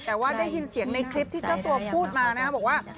แต่ว่าได้ยินเสียงในคลิปที่เจ้าตัวพูดมานะครับบอกว่า